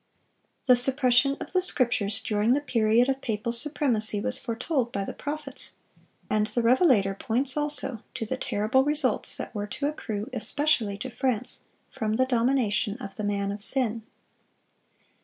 The suppression of the Scriptures during the period of papal supremacy was foretold by the prophets; and the Revelator points also to the terrible results that were to accrue especially to France from the domination of "the man of sin."